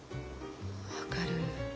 分かる。